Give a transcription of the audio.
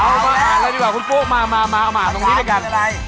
เอามาอ่านเลยดีกว่าคุณปุ๊กมามามาตรงนี้ด้วยกัน